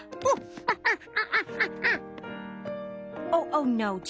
ハハッハ。